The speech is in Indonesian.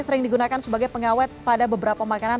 sering digunakan sebagai pengawet pada beberapa makanan